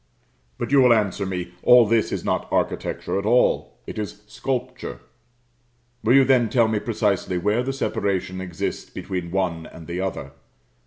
But you will answer me, all this is not architecture at all it is sculpture. Will you then tell me precisely where the separation exists between one and the other?